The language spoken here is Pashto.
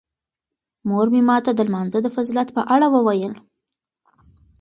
مور مې ماته د لمانځه د فضیلت په اړه وویل.